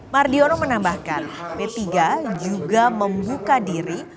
mardiono menambahkan p tiga juga membuka diri